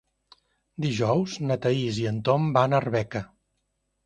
Dijous na Thaís i en Tom van a Arbeca.